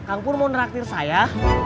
kamu pun mau ngeraktir saya